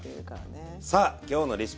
さあきょうのレシピはですね